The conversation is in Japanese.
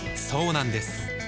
そうなんです